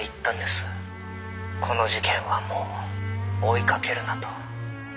「“この事件はもう追いかけるな”と」